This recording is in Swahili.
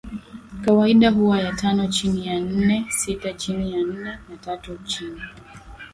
kawaida huwa ya tano chini ya nne sita chini ya nne na tatu chini